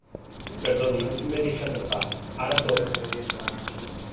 Perdonin, m'he deixat el pa. Ara torno.